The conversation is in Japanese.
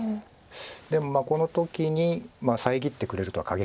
でもこの時に遮ってくれるとはかぎらないです。